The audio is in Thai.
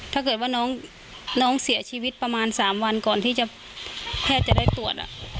ถ้าเกิดว่าน้องเสียชีวิตประมาณ๓วันก่อนที่แพทย์จะได้ตรวจ